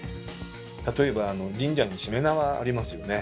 例えば神社にしめ縄ありますよね。